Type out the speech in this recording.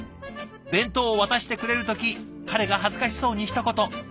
弁当を渡してくれる時彼が恥ずかしそうにひと言。